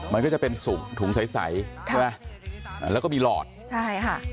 มันก็จะเป็นสุกถุงใสใช่ไหมแล้วก็มีหลอดใช่ค่ะ